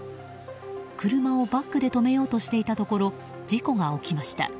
車をバックで止めようとしていたところ事故が起きました。